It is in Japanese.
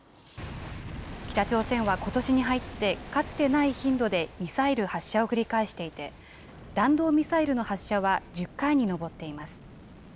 北朝鮮はことしに入って、かつてない頻度でミサイル発射を繰り返していて、弾道ミサイルの発射は１０回に上っています。